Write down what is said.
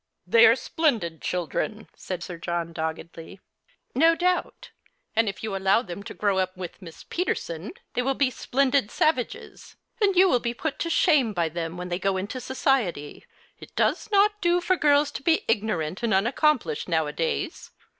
"They are splendid children," said Sir John, doggedly. " No doubt ; and if you allow them to grow up with Miss I^eterson they will be splendid savages ; and vou The Christmas Hirelings. 57 will be put to shame by them when they go into society. It does not do for girls to be ignorant and unaccomplished nowadays.